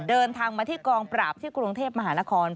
เดินทางมาที่กองปราบที่กรุงเทพมหานคร